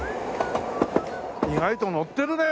意外と乗ってるね！